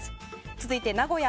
続いて、名古屋。